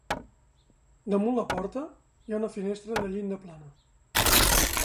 Damunt la porta hi ha una finestra de llinda plana.